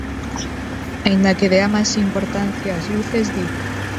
Aínda que dea máis importancia ás luces, di.